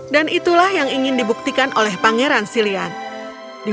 dan itulah yang ingin dibuktikan oleh pangeran bumper di brand nieuwe abbas